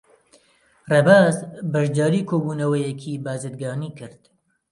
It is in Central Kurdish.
ڕێباز بەشداریی کۆبوونەوەیەکی بازرگانیی کرد.